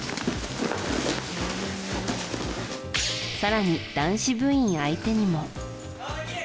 更に、男子部員相手にも。